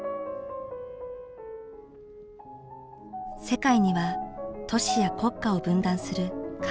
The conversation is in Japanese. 世界には都市や国家を分断する壁があります。